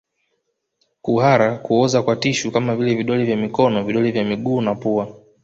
Kuhara kuoza kwa tishu kama vile vidole vya mikono vidole vya miguu na pua